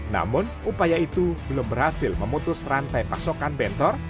namun upaya itu belum berhasil memutus rantai pasokan bentor